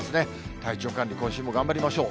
体調管理、今週も頑張りましょう。